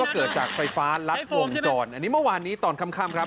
เกิดจากไฟฟ้ารัดวงจรอันนี้เมื่อวานนี้ตอนค่ำครับ